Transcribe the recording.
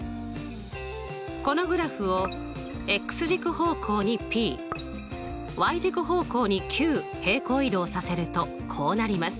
このグラフを軸方向にｐ軸方向にｑ平行移動させるとこうなります。